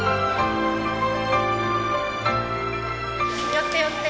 寄って寄って。